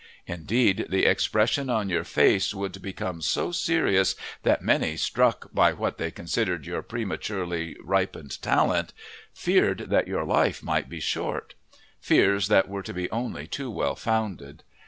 Indeed, the expression on your face would become so serious that many, struck by what they considered your prematurely ripened talent, feared that your life might be short"—fears that were to be only too well founded.